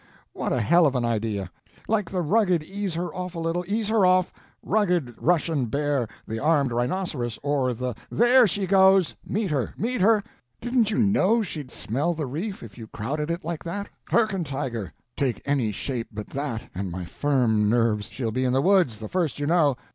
what a hell of an idea! like the rugged ease her off a little, ease her off! rugged Russian bear, the armed rhinoceros or the there she goes! meet her, meet her! didn't you know she'd smell the reef if you crowded it like that? Hyrcan tiger; take any shape but that and my firm nerves she'll be in the woods the first you know!